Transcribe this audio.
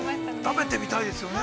◆食べてみたいですよね。